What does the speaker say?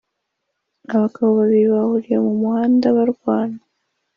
abagabo babiri bahuriye mumuhanda barwana